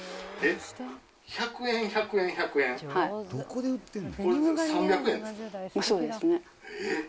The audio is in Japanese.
この日、１００円、１００円、１００えっ？